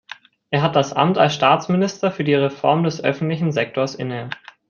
Er hat das Amt als Staatsminister für die Reform des öffentlichen Sektors inne.